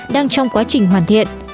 đang trong quá trình hoàn thiện